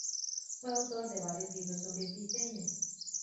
Fue autor de varios libros sobre diseño.